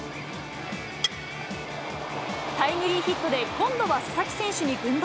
タイムリーヒットで、今度は佐々木選手に軍配。